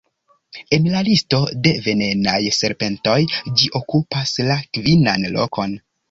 En la listo de venenaj serpentoj ĝi okupas la kvinan lokon.